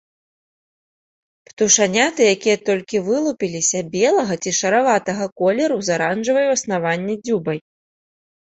Птушаняты, якія толькі вылупіліся, белага ці шараватага колеру з аранжавай ў аснавання дзюбай.